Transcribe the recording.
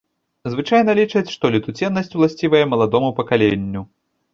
Звычайна лічаць, што летуценнасць ўласцівая маладому пакаленню.